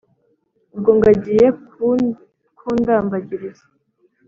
ubwo ngo agiye ku kundambagiriza